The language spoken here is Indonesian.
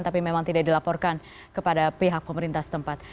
tapi memang tidak dilaporkan kepada pihak pemerintah setempat